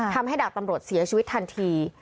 ดาบตำรวจเสียชีวิตทันที